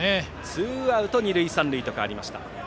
ツーアウト二塁三塁と変わりました。